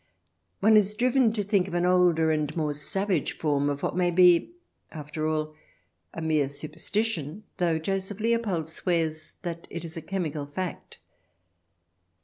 One is driven to think of an older and more savage form of what may be, after all, a mere superstition, though Joseph Leopold swears that it is a chemical fact.